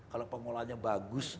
kalau pengolahnya bagus